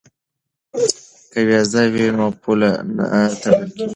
که ویزه وي نو پوله نه تړل کیږي.